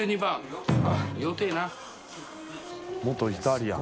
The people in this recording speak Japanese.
「元イタリアン」